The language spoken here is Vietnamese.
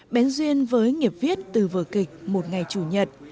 bến duyên với nghiệp viết từ vợ kịch một ngày chủ nhật